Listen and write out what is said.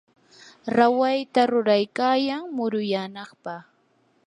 rawayta ruraykayan muruyanampaq.